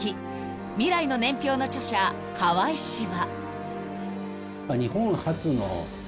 ［『未来の年表』の著者河合氏は］